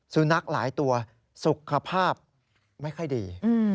สุนัขหลายตัวสุขภาพไม่ค่อยดี